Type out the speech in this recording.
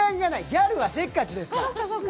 ギャルは、せっかちですから。